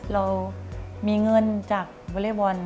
เรามีเงินจากวอเล็กบอล